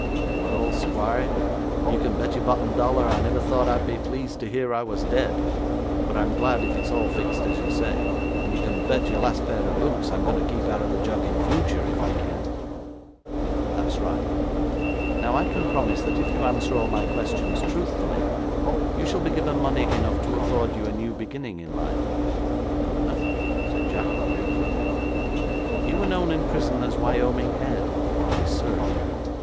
'Well, squire, you can bet your bottom dollar I never thought I'd be pleased to hear I was dead, but I'm glad if it's all fixed as you say, and you can bet your last pair of boots I'm going to keep out of the jug in future if I can.' 'That's right. Now, I can promise that if you answer all my questions truthfully, you shall be given money enough to afford you a new beginning in life.' 'Good enough,' said Jack briefly. 'You were known in prison as Wyoming Ed?' 'Yes, sir.'